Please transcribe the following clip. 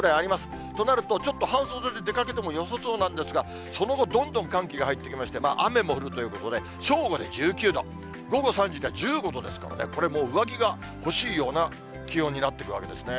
となると、ちょっと半袖で出かけてもよさそうなんですが、その後、どんどん寒気が入ってきまして、雨も降るということで、正午で１９度、午後３時には１５度ですからね、これもう、上着が欲しいような気温になってくるわけですね。